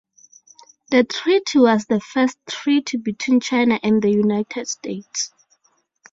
The treaty was the first treaty between China and the United States.